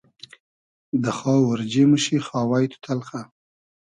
دۂ خاو اۉرجی موشی خاوای تو تئلخۂ